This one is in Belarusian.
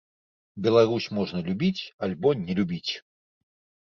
Беларусь можна любіць альбо не любіць.